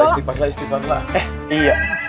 istiparlah istiparlah istiparlah